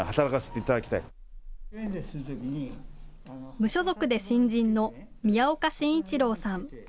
無所属で新人の宮岡進一郎さん。